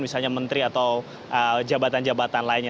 misalnya menteri atau jabatan jabatan lainnya